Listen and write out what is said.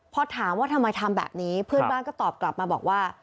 พอถามว่าทำไมทำแบบนี้เพื่อนบ้านก็ตอบกลับมาบอกว่า